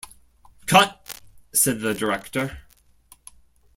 'Cut', said the director.